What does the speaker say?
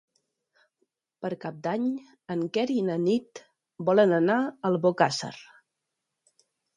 Per Cap d'Any en Quer i na Nit volen anar a Albocàsser.